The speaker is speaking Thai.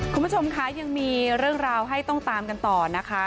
คุณผู้ชมคะยังมีเรื่องราวให้ต้องตามกันต่อนะคะ